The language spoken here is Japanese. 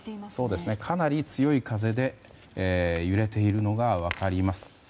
かなり強い風で揺れているのが分かります。